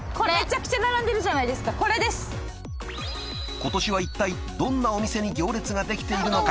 ［今年はいったいどんなお店に行列ができているのか？］